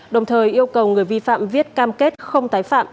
đồng thời yêu cầu người vi phạm viết cam kết không tái phạm